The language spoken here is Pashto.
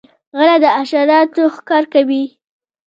غڼه د حشراتو ښکار کوي